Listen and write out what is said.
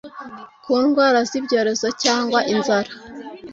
ku ndwara z'ibyorezo cyangwa inzara